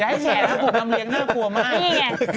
อย่าให้แชร์กันกลุ่มนำเลี้ยงน่ากลัวมาก